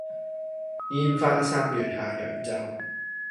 煙花三月下揚州